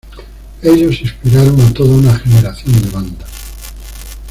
Ellos inspiraron a toda una generación de bandas.